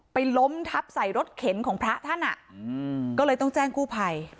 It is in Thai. ล้มทับใส่รถเข็นของพระท่านอ่ะอืมก็เลยต้องแจ้งกู้ภัย